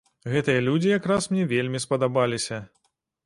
Гэтыя людзі якраз мне вельмі спадабаліся.